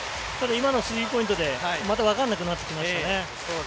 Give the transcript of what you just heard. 今のスリーポイントでまた分からなくなってきましたね。